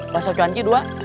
bahasa cuan ki dua